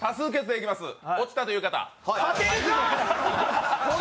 落ちたという方？